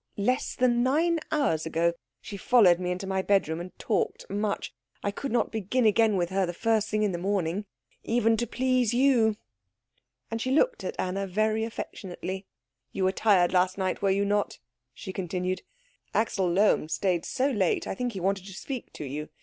Less than nine hours ago. She followed me into my bedroom and talked much. I could not begin again with her the first thing in the morning, even to please you." And she looked at Anna very affectionately. "You were tired last night, were you not?" she continued. "Axel Lohm stayed so late, I think he wanted to speak to you.